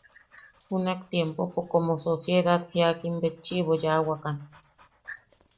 Junak_tiempopo como sociedad jiakimbetchiʼibo yaawakan.